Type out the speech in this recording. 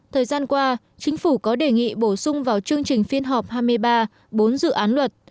thời gian qua chính phủ có đề nghị bổ sung vào chương trình phiên họp hai mươi ba bốn dự án luật